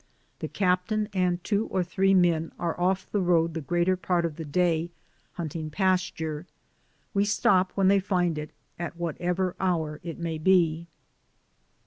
The captain and two or three men are off the road the greater part of the day hunting pas ture; we stop when they find it at whatever hour it may be.